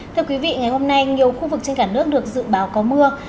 thưa quý vị ngày hôm nay nhiều khu vực trên cả nước được dự báo có mưa